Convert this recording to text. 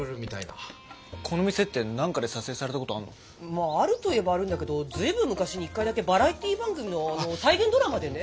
まああるといえばあるんだけど随分昔に１回だけバラエティー番組の再現ドラマでね。